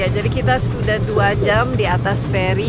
ya jadi kita sudah dua jam di atas peri